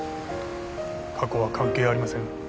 過去は関係ありません